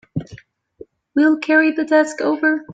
We'll carry the desk over.